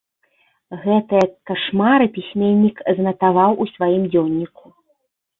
Гэтыя кашмары пісьменнік занатаваў у сваім дзённіку.